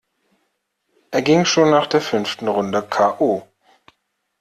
Er ging schon nach der fünften Runde k. o..